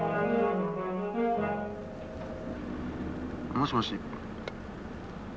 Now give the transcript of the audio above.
もしもし。